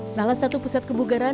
pembangunan pusat kebugaran